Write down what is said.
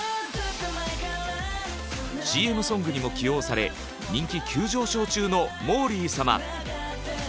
ＣＭソングにも起用され人気急上昇中のもーりー様。